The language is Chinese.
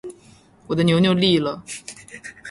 我的牛牛立了